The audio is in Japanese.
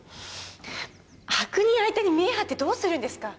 悪人相手に見栄張ってどうするんですか！